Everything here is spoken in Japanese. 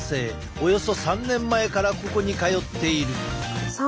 およそ３年前からここに通っている。